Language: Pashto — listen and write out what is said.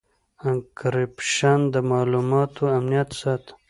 انکریپشن د معلوماتو امنیت ساتي.